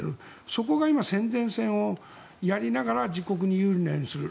そこが今、宣伝戦をやりながら自国に有利なようにする。